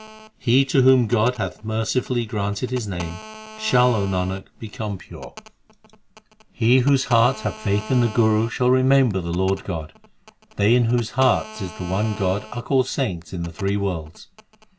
He to whom God hath mercifully granted His name, Shall, Nanak, become pure. HYMNS OF GURU ARJAN 245 8 He whose heart hath faith in the Guru Shall remember the Lord God ; They in whose hearts is the one God, Are called saints in the three worlds.